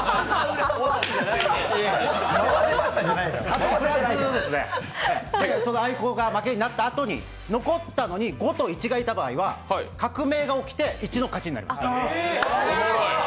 あいこが負けになったのに、残ったのに、５と１がいた場合は、革命が起きて１の勝ちになります。